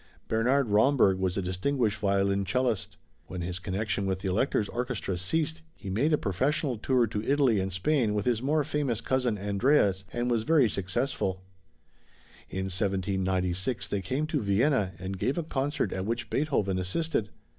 Bernhard Romberg was a distinguished violoncellist. When his connection with the Elector's orchestra ceased, he made a professional tour to Italy and Spain with his more famous cousin Andreas and was very successful. In 1796 they came to Vienna and gave a concert at which Beethoven assisted.